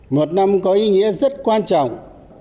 một năm có ý nghĩa rất quan trọng